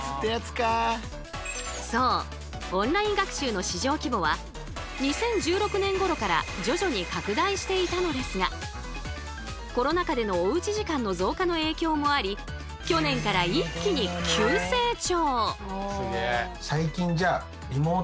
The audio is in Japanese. オンライン学習の市場規模は２０１６年ごろから徐々に拡大していたのですがコロナ禍でのおうち時間の増加の影響もあり去年から一気に急成長！